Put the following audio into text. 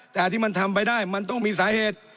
แต่ที่มันทำไปได้มันต้องมีสาเหตุ